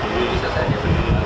bisa saja berdiri